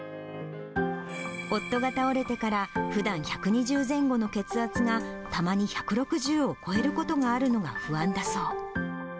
夫が倒れてからふだん１２０前後の血圧が、たまに１６０を超えることがあるのが不安だそう。